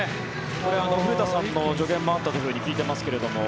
古田さんの助言もあったと聞いていますが。